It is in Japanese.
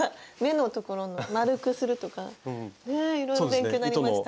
いろいろ勉強になりました。